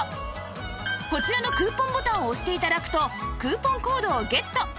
こちらのクーポンボタンを押して頂くとクーポンコードをゲット